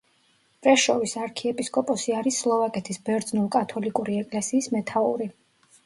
პრეშოვის არქიეპისკოპოსი არის სლოვაკეთის ბერძნულ-კათოლიკური ეკლესიის მეთაური.